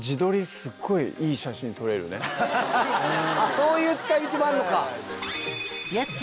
そういう使い道もあんのか。